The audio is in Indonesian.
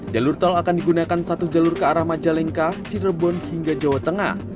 jalur tol akan digunakan satu jalur ke arah majalengka cirebon hingga jawa tengah